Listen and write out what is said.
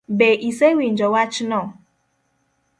Be isewinjo wachno?